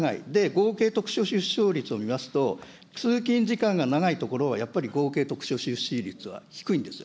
合計特殊出生率を見ますと、通勤時間が長い所はやっぱり合計特殊出生率は低いんです。